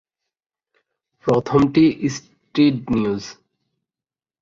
প্রথমটি street news.